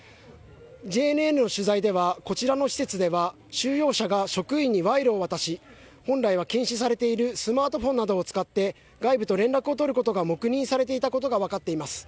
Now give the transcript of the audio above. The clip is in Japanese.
ＪＮＮの取材ではこちらの施設では収容者が職員に賄賂を渡し本来は禁止されているスマートフォンなどを使って外部と連絡を取ることが黙認されていたことが分かっています。